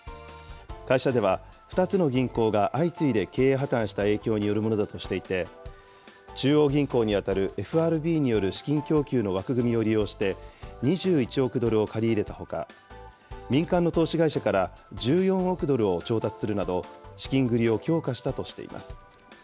会社では、２つの銀行が相次いで経営破綻した影響によるものだとしていて、中央銀行に当たるＦＲＢによる資金供給の枠組みを利用して、２１億ドルを借り入れたほか、民間の投資会社から１４億ドルを調達するなど、資金繰りを強化したとしています。